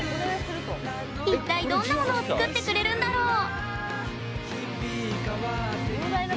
一体、どんなものを作ってくれるんだろう。